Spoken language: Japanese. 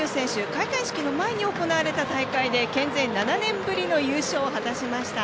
開会式の前に行われた大会で県勢７年ぶりの優勝を果たしました。